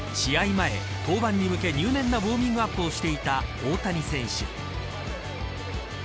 前、登板に向け入念なウオーミングアップをしていた大谷選手。